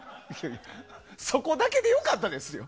そこだけで良かったですよ。